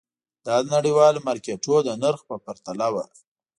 دا د نړیوالو مارکېټونو د نرخ په پرتله وو.